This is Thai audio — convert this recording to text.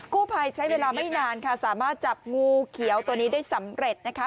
กู้ภัยใช้เวลาไม่นานค่ะสามารถจับงูเขียวตัวนี้ได้สำเร็จนะคะ